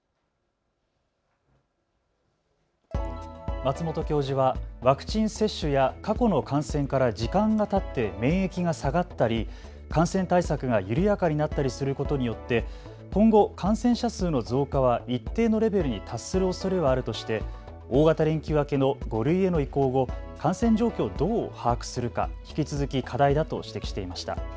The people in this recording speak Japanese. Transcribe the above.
松本教授はワクチン接種や過去の感染から時間がたって免疫が下がったり、感染対策が緩やかになったりすることによって今後、感染者数の増加は一定のレベルに達するおそれはあるとして大型連休明けの５類への移行後、感染状況をどう把握するか引き続き課題だと指摘していました。